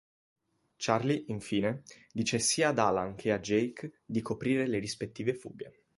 Charlie, infine, dice sia ad Alan che a Jake di coprire le rispettive fughe.